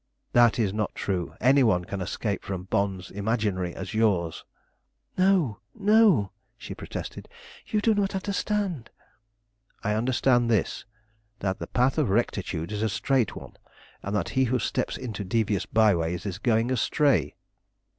"That is not true. Any one can escape from bonds imaginary as yours." "No, no," she protested; "you do not understand." "I understand this: that the path of rectitude is a straight one, and that he who steps into devious byways is going astray."